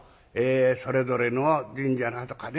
それぞれの神社だとかね